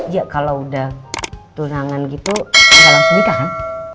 ya kalau udah tunangan gitu gak langsung nikah kan